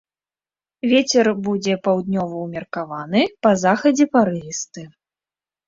Вецер будзе паўднёвы ўмеркаваны, па захадзе парывісты.